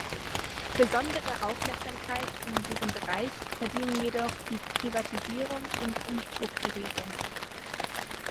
Besondere Aufmerksamkeit in diesem Bereich verdienen jedoch die Privatisierung und Umstrukturierung.